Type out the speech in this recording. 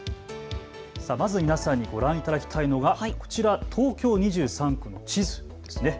まず皆さんにご覧いただきたいのがこちら、東京２３区の地図ですね。